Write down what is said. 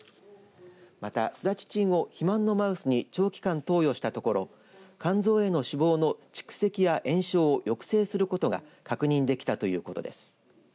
またスダチチンを肥満のマウスに長期間、投与したところ肝臓への脂肪の蓄積や炎症を抑制することが確認できたということです。